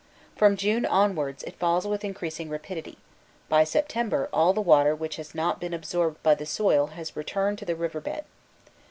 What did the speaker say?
From June onwards it falls with increasing rapidity; by September all the water which has not been absorbed by the soil has returned to the river bed.